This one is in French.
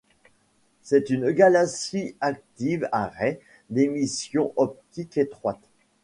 C'est une galaxie active à raies d’émissions optiques étroites.